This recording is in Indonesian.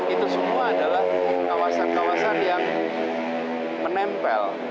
itu semua adalah kawasan kawasan yang menempel